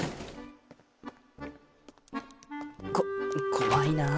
こ怖いな。